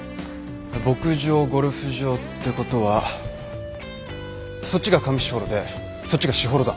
牧場ゴルフ場ってことはそっちが上士幌でそっちが士幌だ。